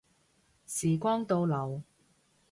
時光倒流